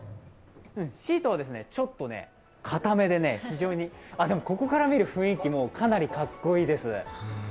シートはちょっと固めで、非常にでもここから見る雰囲気、かなりかっこいいです。